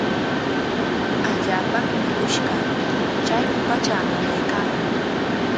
Allaapami mikush kaa. Chaymi pachaa nanaykaaman.